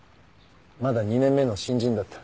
まだ２年目の新人だった。